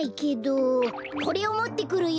これをもってくるようにって。